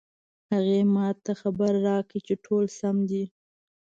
هغې ما ته خبر راکړ چې ټول سم دي